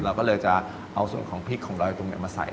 เราก็เลยจะเอาส่วนของพริกของดอยตุงมาใส่